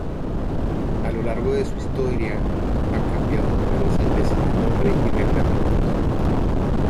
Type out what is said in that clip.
A lo largo de su historia ha cambiado numerosas veces de nombre y reglamentos.